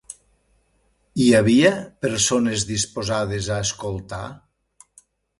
Hi havia persones disposades a escoltar?